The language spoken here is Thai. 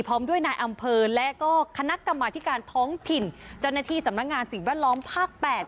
พร้อมด้วยนายอำเภอและก็คณะกรรมธิการท้องถิ่นเจ้าหน้าที่สำนักงานสิ่งแวดล้อมภาค๘